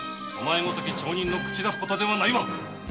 お前ごとき町人の口出すことではないわ！